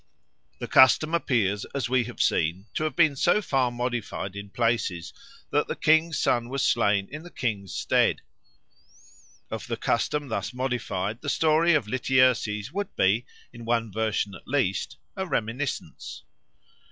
The custom appears, as we have seen, to have been so far modified in places that the king's son was slain in the king's stead. Of the custom thus modified the story of Lityerses would be, in one version at least, a reminiscence.